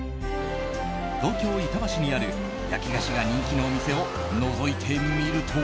東京・板橋にある焼き菓子が人気の店をのぞいてみると。